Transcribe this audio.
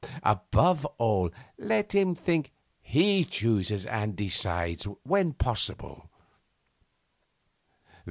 Above all, let him think he chooses and decides, when possible.